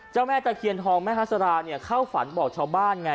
แม่ตะเคียนทองแม่ฮาสราเนี่ยเข้าฝันบอกชาวบ้านไง